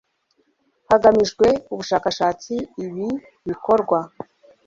hagamijwe ubushakashatsi ibi bikorwa